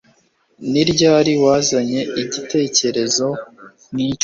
Ni ryari wazanye igitekerezo nkicyo